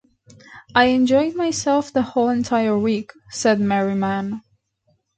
"I enjoyed myself the whole entire week", said Merriman.